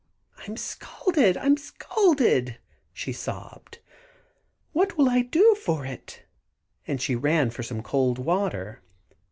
"I'm scalded, I'm scalded," she sobbed. "What will I do for it?" and she ran for some cold water.